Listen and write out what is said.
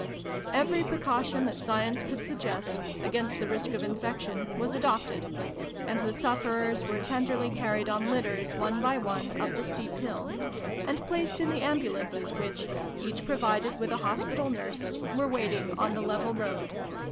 Every precaution that science could suggest, against the risk of infection, was adopted : and the sufferers were tenderly carried on litters, one by one, up the steep hill, and placed in the ambulances which, each provided with a hospital nurse, were waiting on the level road.